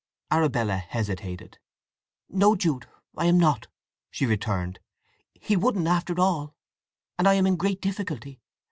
Arabella hesitated. "No, Jude, I am not," she returned. "He wouldn't, after all. And I am in great difficulty.